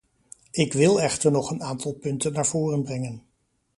Ik wil echter nog een aantal punten naar voren brengen.